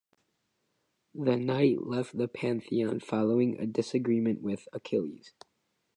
The Knight left the Pantheon following a disagreement with Achilles.